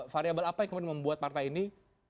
variabel apa yang membuat partai ini